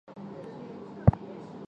立法院围墙